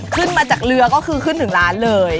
ขึ้นมาจากเรือก็คือขึ้นถึงร้านเลย